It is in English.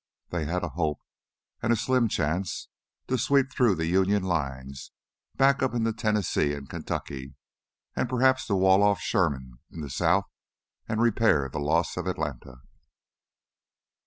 They had a hope and a slim chance to sweep through the Union lines back up into Tennessee and Kentucky, and perhaps to wall off Sherman in the south and repair the loss of Atlanta.